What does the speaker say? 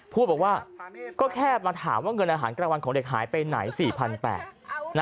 พูดบอกว่าก็แค่มาถามว่าเงินอาหารกลางวันของเด็กหายไปไหน๔๘๐๐บาท